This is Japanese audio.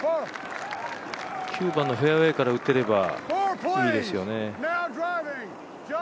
９番のフェアウエーから打てればいいですよね。